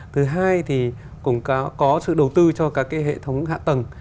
thứ hai thì cũng có sự đầu tư cho các hệ thống hạ tầng